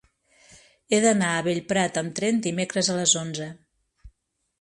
He d'anar a Bellprat amb tren dimecres a les onze.